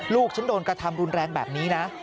ลูกฉันโดนกระทำรุนแรงแบบนี้นะ